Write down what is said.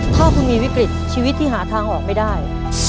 ถ้าคุณมีวิกฤตชีวิตที่หาทางออกไม่ได้